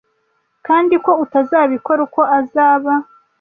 kandi ko utazabikora uko azaba